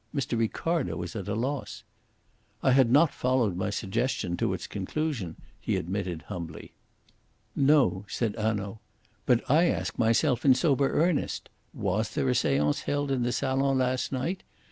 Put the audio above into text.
Mr. Ricardo was at a loss. "I had not followed my suggestion to its conclusion," he admitted humbly. "No," said Hanaud. "But I ask myself in sober earnest, 'Was there a seance held in the salon last night?'